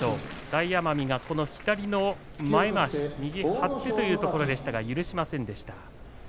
大奄美は左の前まわし張ってというところでしたが許しませんでした。